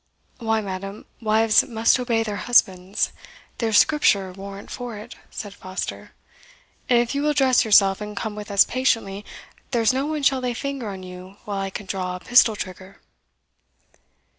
"Why, madam, wives must obey their husbands there's Scripture warrant for it," said Foster; "and if you will dress yourself, and come with us patiently, there's no one shall lay finger on you while I can draw a pistol trigger."